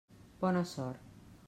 Bona sort.